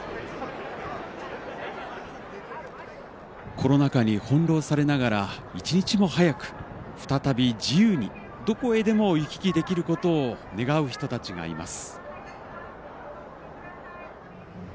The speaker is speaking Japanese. コロナ禍に翻弄されながら一日も早く再び自由にどこへでも行き来できることを願う人たちがいます。